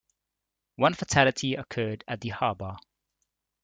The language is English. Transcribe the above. One fatality occurred at the harbor.